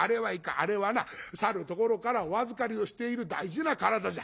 あれはなさるところからお預かりをしている大事な体じゃ。